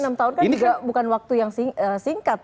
enam tahun kan juga bukan waktu yang singkat